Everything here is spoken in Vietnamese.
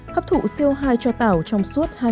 hấp thụ co hai cho tạo trong suốt hai mươi tiếng